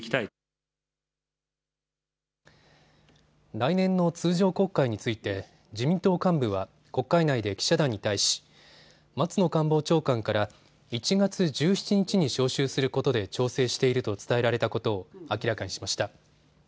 来年の通常国会について自民党幹部は国会内で記者団に対し松野官房長官から１月１７日に召集することで調整していると伝えられたことを明らかにしました。